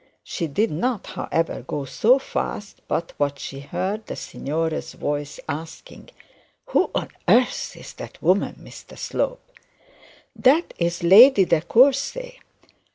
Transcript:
She did not however go so fast but what she heard the signora's voice, asking 'Who on earth is that woman, Mr Slope?' 'That is Lady De Courcy.'